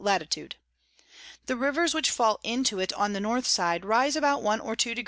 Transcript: Lat. The Rivers which fall into it on the North side, rise about one or two deg.